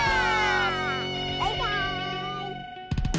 バイバーイ！